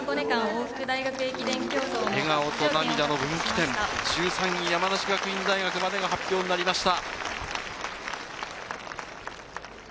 笑顔と涙の分岐点、１３位・山梨学院大学までが発表になりました。